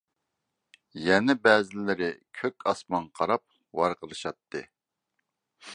يەنە بەزىلىرى كۆك ئاسمانغا قاراپ ۋارقىرىشاتتى.